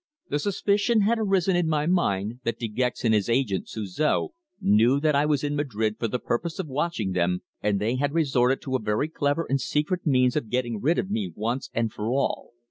The suspicion had arisen in my mind that De Gex and his agent Suzor knew that I was in Madrid for the purpose of watching them, and they had resorted to a very clever and secret means of getting rid of me once and for all.